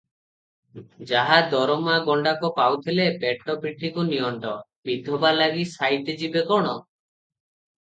ଯାହା ଦରମା ଗଣ୍ଡାକ ପାଉଥିଲେ, ପେଟ ପିଠିକୁ ନିଅଣ୍ଟ, ବିଧବା ଲାଗି ସାଇତି ଯିବେ କଣ?